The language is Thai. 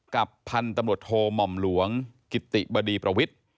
พันธุ์ตำรวจโทหม่อมหลวงกิติบดีประวิทธิ์